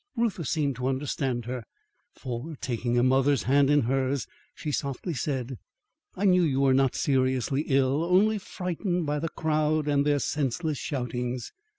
Reuther seemed to understand her; for, taking her mother's hand in hers, she softly said: "I knew you were not seriously ill, only frightened by the crowd and their senseless shoutings.